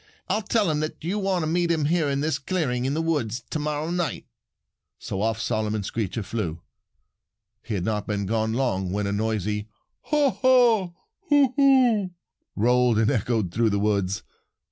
I'll tell him that you want him to meet you here in this clearing in the woods to morrow night." So off Simon Screecher flew. He had not been gone long when a noisy "haw haw hoo hoo" rolled and echoed through the woods.